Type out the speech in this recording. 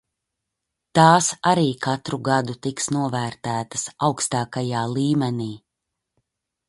Tās arī katru gadu tiks novērtētas augstākajā līmenī.